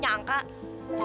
nama bahasa di bumi